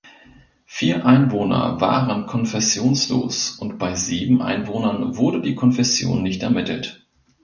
Vier Einwohner waren konfessionslos und bei sieben Einwohnern wurde die Konfession nicht ermittelt.